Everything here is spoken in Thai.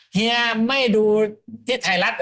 เฮียไม่ดูที่ไทยรัฐ